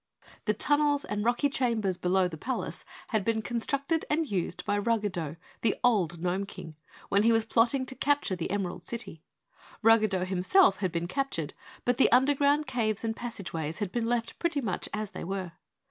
The tunnels and rocky chambers below the Palace had been constructed and used by Ruggedo, the old Gnome King, when he was plotting to capture the Emerald City. Ruggedo himself had been captured, but the underground caves and passageways had been left pretty much as they were.